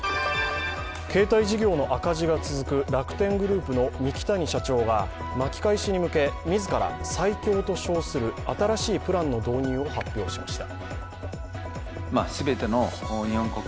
携帯事業の赤字が続く楽天グループの三木谷社長が巻き返しに向け、自ら最強と称する新しいプランの導入を発表しました。